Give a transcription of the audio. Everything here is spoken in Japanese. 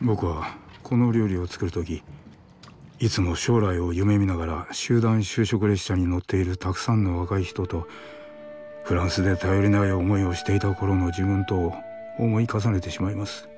僕はこの料理を作るときいつも将来を夢見ながら集団就職列車に乗っているたくさんの若い人とフランスで頼りない思いをしていた頃の自分とを思い重ねてしまいます。